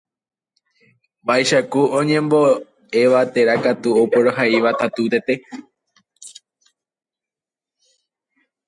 vaicháku oñembo'éva térã katu opurahéiva.